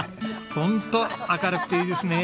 ホント明るくていいですね。